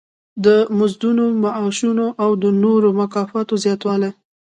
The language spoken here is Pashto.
د مزدونو، معاشونو او د نورو مکافاتو زیاتوالی.